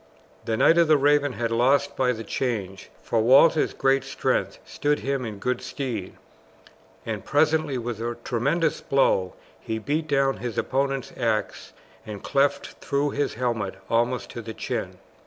The Knight of the Raven had lost by the change, for Walter's great strength stood him in good stead, and presently with a tremendous blow he beat down his opponent's axe and cleft through his helmet almost to the chin.